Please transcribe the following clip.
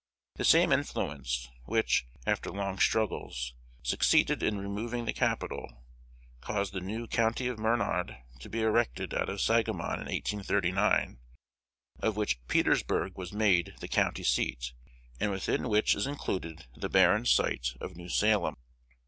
The same influence, which, after long struggles, succeeded in removing the capital, caused the new County of Menard to be erected out of Sangamon in 1839, of which Petersburg was made the county seat, and within which is included the barren site of New Salem.